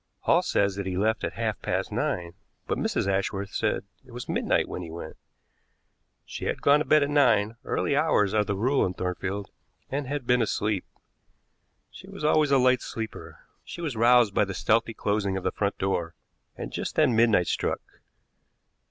Hall says that he left at half past nine, but Mrs. Ashworth said it was midnight when he went. She had gone to bed at nine early hours are the rule in Thornfield and had been asleep. She was always a light sleeper. She was roused by the stealthy closing of the front door, and just then midnight struck.